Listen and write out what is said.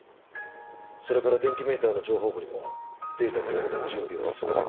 それから電気メーターの情報部にもデータ共有の準備を進めるように。